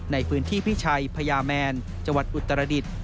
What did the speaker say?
ในพื้นที่พิชัยพญาแมนจังหวัดอุตรดิษฐ์